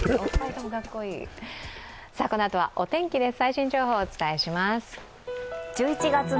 このあとはお天気です。